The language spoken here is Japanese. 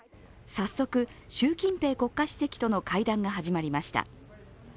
早速、習近平国家主席との会談が始まりました。